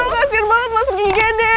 kasian banget masuk igd